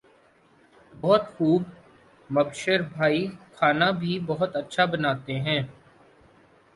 بہت خوب مبشر بھائی کھانا بھی بہت اچھا بناتے ہیں